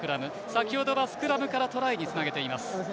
先ほどは、スクラムからトライにつなげています。